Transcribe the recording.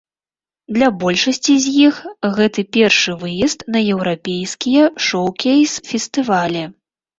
Для большасці з іх гэты першы выезд на еўрапейскія шоўкейс-фестывалі.